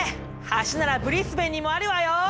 橋ならブリスベンにもあるわよ！